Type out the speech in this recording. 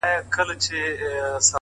زحمت د ارمانونو ریښې ژوروي،